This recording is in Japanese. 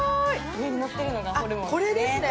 上にのってるのがホルモンですね。